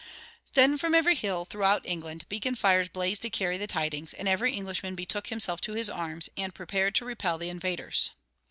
Then from every hill throughout England beacon fires blazed to carry the tidings, and every Englishman betook himself to his arms, and prepared to repel the invaders.